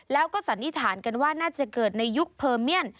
แล้วก็สันนิษฐานกันว่าน่าจะเกิดในยุคเพอร์เมียน